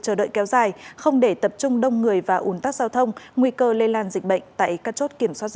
chờ đợi kéo dài không để tập trung đông người và ủn tắc giao thông nguy cơ lây lan dịch bệnh tại các chốt kiểm soát giao